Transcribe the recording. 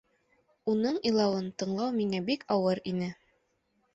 Уның илауын тыңлау миңә бик ауыр ине.